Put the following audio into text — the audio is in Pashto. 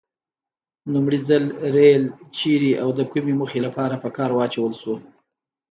لومړي ځل ریل چیري او د کومې موخې لپاره په کار واچول شو؟